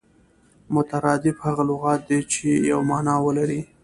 مترادف هغه لغت دئ، چي یوه مانا ولري.